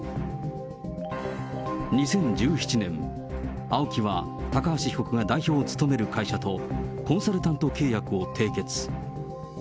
２０１７年、ＡＯＫＩは高橋被告が代表を務める会社とコンサルタント契約を締結。